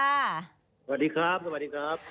สวัสดีครับสวัสดีครับ